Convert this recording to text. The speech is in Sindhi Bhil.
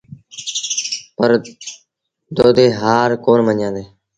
پر دودي هآر ڪونا مڃيآندي۔